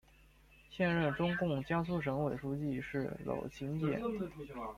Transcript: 现任中共江苏省委书记是娄勤俭。